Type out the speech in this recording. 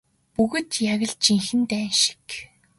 Бүгд яг л жинхэнэ дайн шиг.